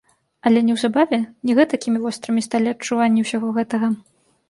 Але неўзабаве не гэтакімі вострымі сталі адчуванні усяго гэтага.